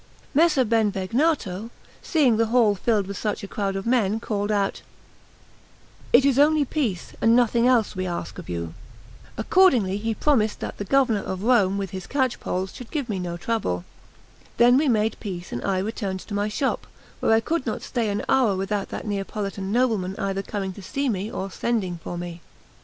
Messer Benvegnato, seeing the hall filled with such a crowd of men, called out: "It is only peace, and nothing else, we ask of you." Accordingly he promised that the governor of Rome and his catchpoles should give me no trouble. Then we made peace, and I returned to my shop, where I could not stay an hour without that Neapolitan nobleman either coming to see me or sending for me.